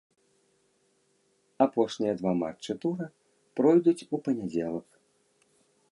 Апошнія два матчы тура пройдуць у панядзелак.